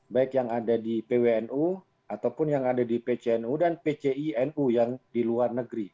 baik yang ada di pwnu ataupun yang ada di pcnu dan pcinu yang di luar negeri